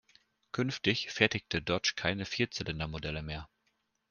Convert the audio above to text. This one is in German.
Künftig fertigte Dodge keine Vierzylindermodelle mehr.